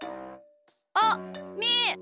あっみー！